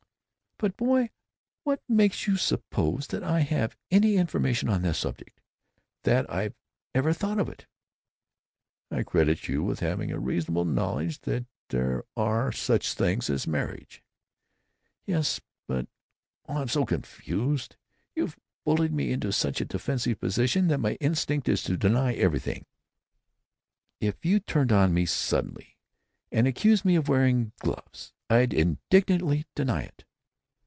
"But, boy, what makes you suppose that I have any information on the subject? That I've ever thought of it?" "I credit you with having a reasonable knowledge that there are such things as marriage." "Yes, but——Oh, I'm very confused. You've bullied me into such a defensive position that my instinct is to deny everything. If you turned on me suddenly and accused me of wearing gloves I'd indignantly deny it."